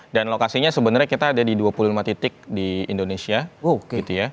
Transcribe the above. dan lokasinya sebenarnya kita ada di dua puluh lima titik di indonesia gitu ya